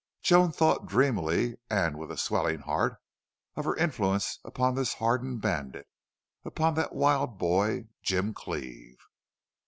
Joan thought dreamily, and with a swelling heart, of her influence upon this hardened bandit, upon that wild boy, Jim Cleve.